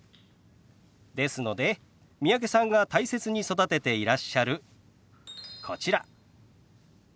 ですので三宅さんが大切に育てていらっしゃるこちら。